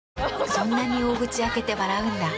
そんなに大口開けて笑うんだ。